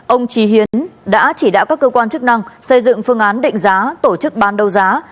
ông trí hiến đã chỉ đạo các cơ quan chức năng xây dựng phương án định giá tổ chức bán đấu giá